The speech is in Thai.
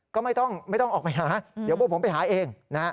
ก็ไม่ต้องออกไปหาเดี๋ยวพวกผมไปหาเองนะฮะ